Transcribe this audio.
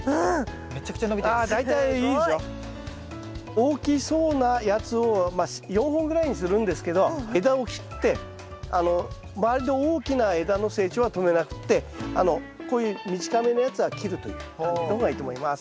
大きそうなやつをまあ４本ぐらいにするんですけど枝を切って周りの大きな枝の成長は止めなくってこういう短めのやつは切るという感じの方がいいと思います。